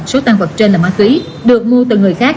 số tăng vật trên là ma túy được mua từ người khác